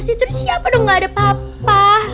masih terus siapa dong gak ada papa